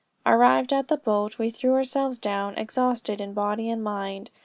"Arrived at the boat, we threw ourselves down, exhausted in body and mind.